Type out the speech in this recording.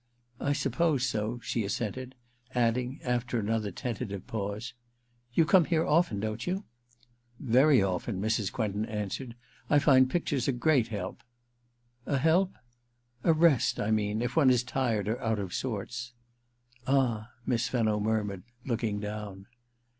^I suppose so/ she assented ; adding, after another tentative pause :* You come here often, don*t you ?* *Very often/ Mrs, Quentin answered. *I find pictures a great help/ * A help?' * A rest, I mean ... if one is tired or out of sorts.* * Ah,' Miss Fenno murmured, looking down.